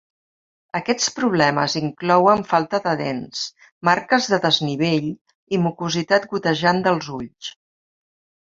Aquests problemes inclouen falta de dents, marques de desnivell i mucositat gotejant dels ulls.